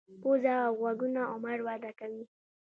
پوزه او غوږونه عمر وده کوي.